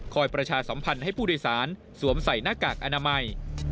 ประชาสัมพันธ์ให้ผู้โดยสารสวมใส่หน้ากากอนามัย